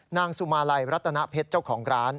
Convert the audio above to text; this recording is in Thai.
นางสุมาลัยรัตนเพชรเจ้าของร้าน